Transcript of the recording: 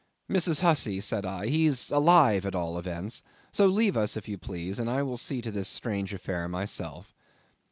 "Mrs. Hussey," said I, "he's alive at all events; so leave us, if you please, and I will see to this strange affair myself."